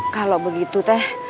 kalau begitu teh